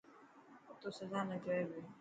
ڪتو سجانا جوئي پيو.